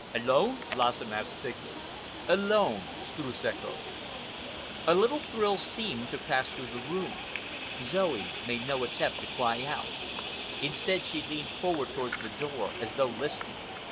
"Alone?" Lassen asked thickly. "Alone," Streuss echoed. A little thrill seemed to pass through the room. Zoe made no attempt to cry out. Instead she leaned forward towards the door, as though listening.